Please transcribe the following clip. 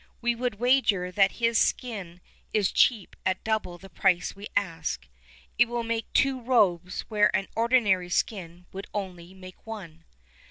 We would wager that his skin is cheap at double the price we ask. It will make two robes where an ordinary skin would only make one."